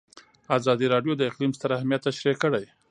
ازادي راډیو د اقلیم ستر اهميت تشریح کړی.